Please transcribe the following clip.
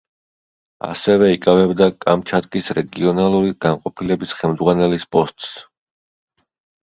ასევე იკავებდა კამჩატკის რეგიონალური განყოფილების ხელმძღვანელის პოსტს.